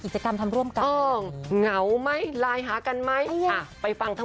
กิจกรรมทำร่วมกันอ๋อเงาไหมรายหากันไหมอ่าไปฟังทั้ง